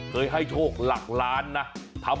เคยให้โชคหลักล้านนะ